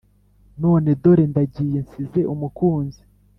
none dore ndagiye nsize umukunzi